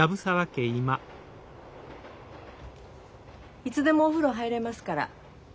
いつでもお風呂入れますから。